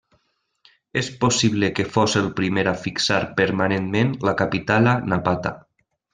És possible que fos el primer a fixar permanentment la capital a Napata.